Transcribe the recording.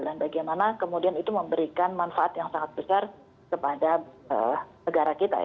dan bagaimana kemudian itu memberikan manfaat yang sangat besar kepada negara kita